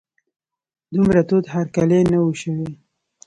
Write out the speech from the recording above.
دومره تود هرکلی نه و شوی.